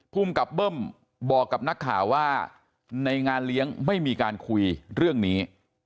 ภูมิกับเบิ้มบอกกับนักข่าวว่าในงานเลี้ยงไม่มีการคุยเรื่องนี้